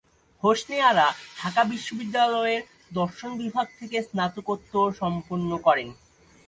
হোসনে আরা ঢাকা বিশ্ববিদ্যালয়ের দর্শন বিভাগ থেকে স্নাতকোত্তর সম্পন্ন করেন।